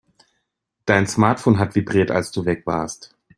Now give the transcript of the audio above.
Dein Smartphone hat vibriert, als du weg warst.